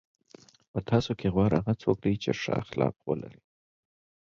په تاسو کې غوره هغه څوک دی چې ښه اخلاق ولري.